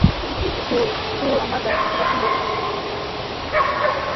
শুটু, আমার কথাটা শোন।